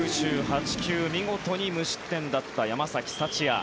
球見事に無失点だった山崎福也。